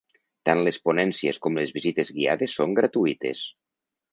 Tan les ponències com les visites guiades són gratuïtes.